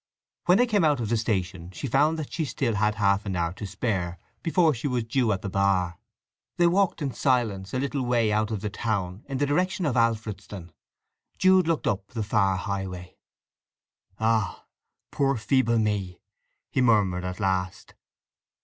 When they came out of the station she found that she still had half an hour to spare before she was due at the bar. They walked in silence a little way out of the town in the direction of Alfredston. Jude looked up the far highway. "Ah … poor feeble me!" he murmured at last.